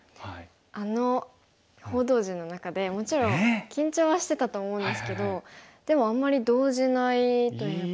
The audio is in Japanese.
あの報道陣の中でもちろん緊張はしてたと思うんですけどでもあんまり動じないというか。